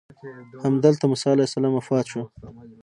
همدلته موسی علیه السلام وفات شو.